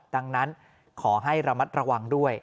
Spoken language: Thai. ดังนั้นขอให้ระมัดระวังด้วย